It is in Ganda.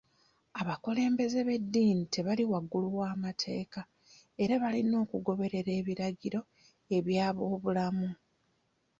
Abakulembeze b'eddiini tebali waggulu w'amateeka era balina okugoberera ebiragiro eby'abobulamu